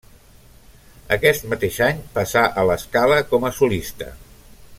Aquest mateix any passà a La Scala, com a solista.